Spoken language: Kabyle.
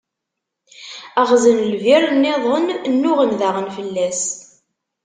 Ɣzen lbir-nniḍen, nnuɣen daɣen fell-as.